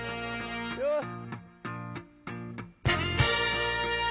よし。